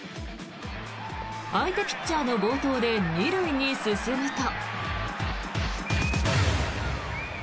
相手ピッチャーの暴投で２塁に進むと。